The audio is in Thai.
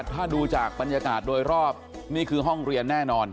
ถ้าดูจากบรรยากาศโดยรอบนี่คือห้องเรียนแน่นอน